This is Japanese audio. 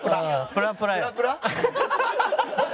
プラプラよ。